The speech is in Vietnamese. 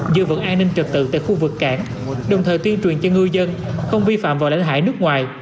giữ vững an ninh trật tự tại khu vực cảng đồng thời tuyên truyền cho ngư dân không vi phạm vào lãnh hải nước ngoài